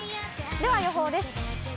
では予報です。